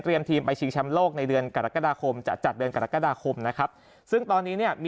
เตรียมทีมไปชิงแชมป์โลกในเดือนกรกฎาคม